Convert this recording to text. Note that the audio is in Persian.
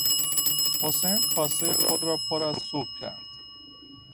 حسین کاسهی خود را پر از سوپ کرد.